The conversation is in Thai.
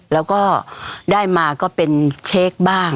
แล้วก็ได้มาก็เป็นเช็คบ้าง